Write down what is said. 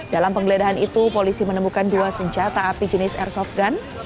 dalam penggeledahan itu polisi menemukan dua senjata api jenis airsoft gun